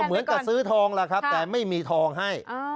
เหมือนกับซื้อทองล่ะครับแต่ไม่มีทองให้